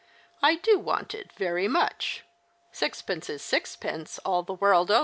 " I do want it very niueli. Sixpence is sixpence all the world over."